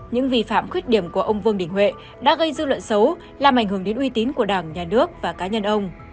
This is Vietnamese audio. những vi phạm khuyết điểm của ông vương đình huệ đã gây dư luận xấu làm ảnh hưởng đến uy tín của đảng nhà nước và cá nhân ông